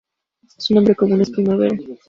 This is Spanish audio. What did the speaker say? Su nombre común es primavera.